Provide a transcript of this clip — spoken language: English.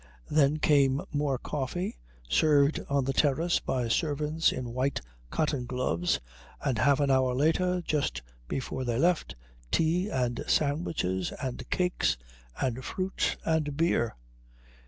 Then came more coffee, served on the terrace by servants in white cotton gloves, and half an hour later, just before they left, tea and sandwiches and cakes and fruit and beer.